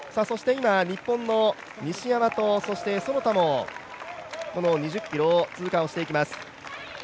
日本の西山と其田もこの２０ｋｍを通過していきます。